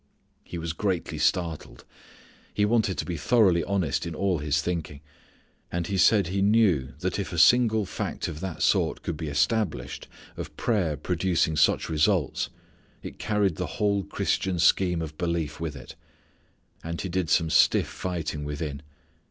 He was greatly startled. He wanted to be thoroughly honest in all his thinking. And he said he knew that if a single fact of that sort could be established, of prayer producing such results, it carried the whole Christian scheme of belief with it. And he did some stiff fighting within.